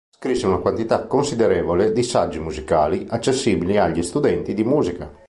Scrisse una quantità considerevole di saggi musicali, accessibili agli studenti di musica.